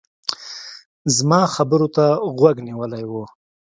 زما خبرو ته غوږ نيولی و.